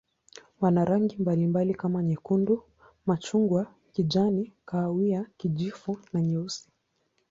Wana rangi mbalimbali kama nyekundu, machungwa, kijani, kahawia, kijivu na nyeusi.